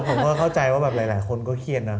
ผมก็เข้าใจว่าแบบหลายคนก็เครียดนะ